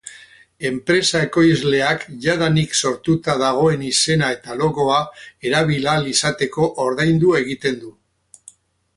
Enpresa ekoizleak jadanik sortuta dagoen izena eta logoa erabili ahal izateko ordaindu egiten du.